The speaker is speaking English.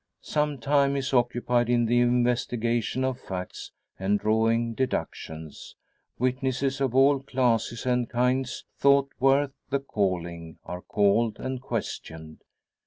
Some time is occupied in the investigation of facts, and drawing deductions. Witnesses of all classes and kinds thought worth the calling are called and questioned.